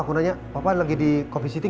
bukannya ada beberapa acara di aston